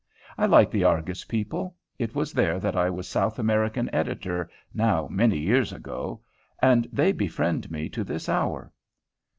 I like the Argus people, it was there that I was South American Editor, now many years ago, and they befriend me to this hour.